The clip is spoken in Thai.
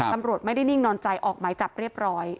ตำรวจไม่ได้นิ่งนอนใจออกหมายจับเรียบร้อย